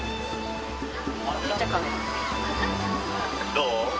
どう？